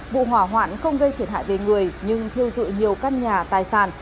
vụ hỏa hoạn không gây thiệt hại về người nhưng thiêu dụi nhiều căn nhà tài sản